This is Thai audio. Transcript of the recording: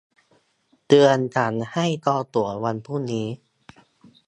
เตือนฉันให้จองตั๋ววันพรุ่งนี้